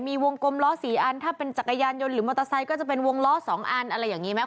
มีวงกลมล้อ๔อันถ้าเป็นจักรยานยนต์หรือมอเตอร์ไซค์ก็จะเป็นวงล้อ๒อันอะไรอย่างนี้ไหม